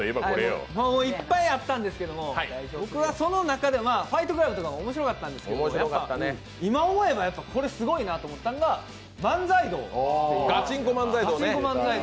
いっぱいあったんですけども、僕はその中で「ファイトクラブ」とかも面白かったんですけど、やっぱ、今思えばこれすごいなと思ったんが「漫才道」。